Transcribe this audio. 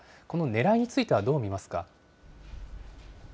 このねらいについてはどう見ますか。